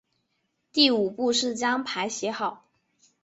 第五步是将牌写好。